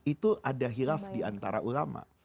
itu ada hilaf diantara ulama